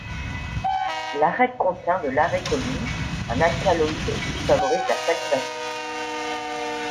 L'arec contient de l'arécoline, un alcaloïde qui favorise la salivation.